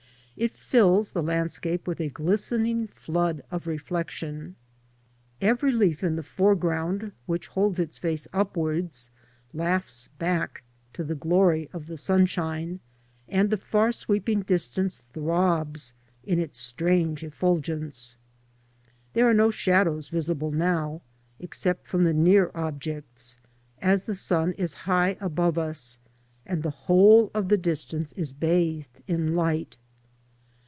It fills thfe landscape with a glistening flood of reflection. Every leaf in the foreground which holds its face upwards laughs back to the glory of the sunshine, and the far sweeping distance throbs in its strange effulgence. There are no shadows visible now, except from the near objects, as the sun is high above us, and the whole of the distance is bathed in light.